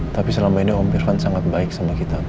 tapi selama ini om irfan sangat baik sama kita mak